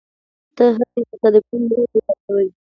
ته هسې تصادفي نه يې پیدا شوی.